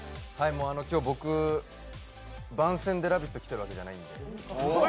今日、僕、番宣で「ラヴィット！」来ているわけじゃないんで。